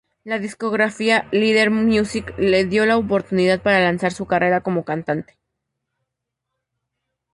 La discográfica Leader Music le dio la oportunidad para lanzar su carrera como cantante.